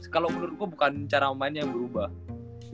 kalau menurut gua bukan cara mainnya yang berubah